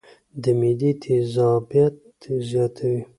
د معدې تېزابيت زياتوي